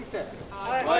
はい。